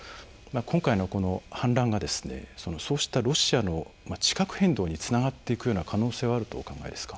今回の反乱がそうしたロシアの地殻変動につながっていくような可能性はあるとお考えですか？